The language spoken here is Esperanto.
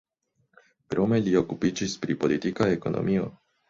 Krome li okupiĝis pri politika ekonomio.